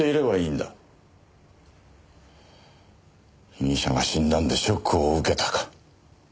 被疑者が死んだんでショックを受けたか？